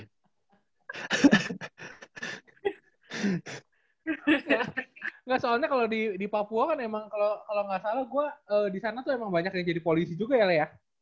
enggak soalnya kalau di papua kan emang kalau nggak salah gue di sana tuh emang banyak yang jadi polisi juga ya